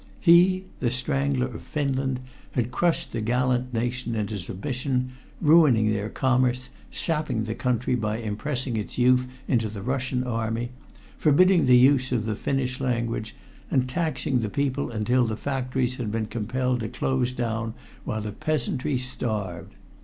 He, "The Strangler of Finland," had crushed the gallant nation into submission, ruining their commerce, sapping the country by impressing its youth into the Russian army, forbidding the use of the Finnish language, and taxing the people until the factories had been compelled to close down while the peasantry starved.